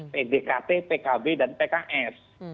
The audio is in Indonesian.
pdkt pkb dan pks